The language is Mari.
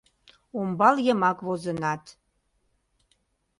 Омбал йымак возынат.